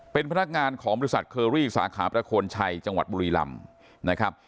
เป็นพนักงานของบริษัทเคอรี่สาขาประโคนชัยจังหวัดบุรีลำนะครับ